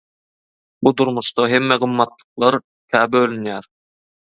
Bu durmuşda hemme gymmatlyklar ikä bölünýär: